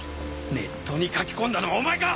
ネットに書き込んだのはお前か！